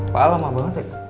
pak alah lama banget ya